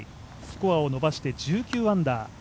スコアを伸ばして１９アンダー。